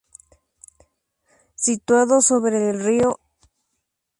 Situado sobre el río Ebro.